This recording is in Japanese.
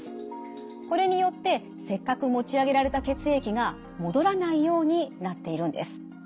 これによってせっかく持ち上げられた血液が戻らないようになっているんです。